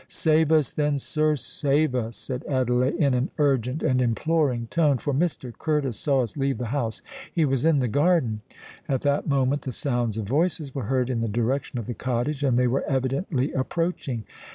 "Save us, then, sir—save us," said Adelais, in an urgent and imploring tone; "for Mr. Curtis saw us leave the house: he was in the garden——" At that moment the sounds of voices were heard in the direction of the cottage; and they were evidently approaching.